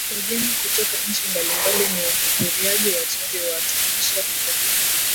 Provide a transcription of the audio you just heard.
Wageni kutoka nchi mbalimbali ni wahudhuriaji wazuri wa wa tamasha hilo